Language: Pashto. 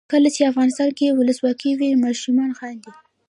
کله چې افغانستان کې ولسواکي وي ماشومان خاندي.